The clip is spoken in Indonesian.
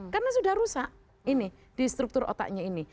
karena sudah rusak ini di struktur otaknya ini